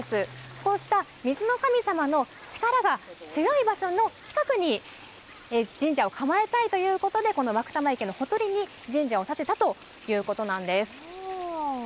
こうした水の神様の力が強い場所の近くに神社を構えたいということで湧玉池のほとりに神社を建てたということなんです。